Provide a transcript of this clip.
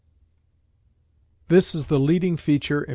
This is the leading feature in M.